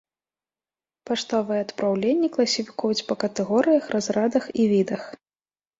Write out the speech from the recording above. Паштовыя адпраўленні класіфікуюць па катэгорыях, разрадах і відах.